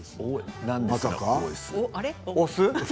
お酢。